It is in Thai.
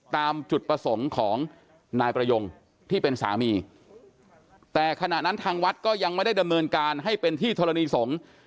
ตามจุดประสงค์ของนายประยงที่เป็นสามีแต่ขณะนั้นทางวัดก็ยังไม่ได้ดำเนินการให้เป็นที่ธรณีสงฆ์